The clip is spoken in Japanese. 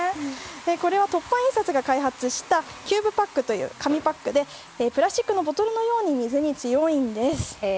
これは凸版印刷が開発したキューブパックという紙パックでプラスチックのボトルのように水に強いんです。